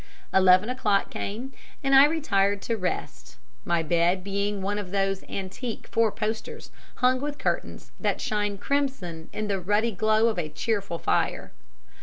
Eleven o'clock came, and I retired to rest; my bed being one of those antique four posters, hung with curtains that shine crimson in the ruddy glow of a cheerful fire.